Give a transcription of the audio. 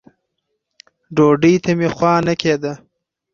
ډوډۍ ته مې خوا نه کېده.